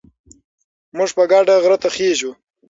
موږ په ګډه غره ته خېژو.